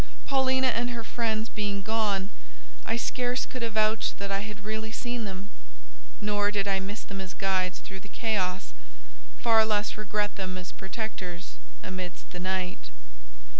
Paulina and her friends being gone, I scarce could avouch that I had really seen them; nor did I miss them as guides through the chaos, far less regret them as protectors amidst the night.